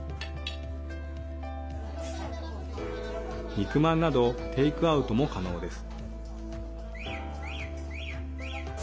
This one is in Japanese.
肉まんなどテイクアウトも可能です。